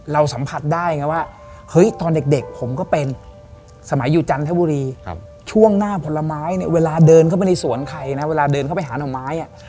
สัมผัสได้ไงว่าเฮ้ยตอนเด็กผมก็เป็นสมัยอยู่จันทบุรีช่วงหน้าผลไม้เนี่ยเวลาเดินเข้าไปในสวนใครนะเวลาเดินเข้าไปหาหน่อไม้